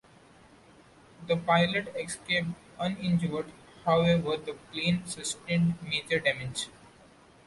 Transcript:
The pilot escaped uninjured, however the plane sustained major damage.